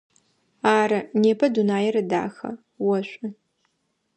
Ары, непэ дунаир дахэ, ошӏу.